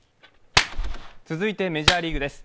続いてメジャーリーグです。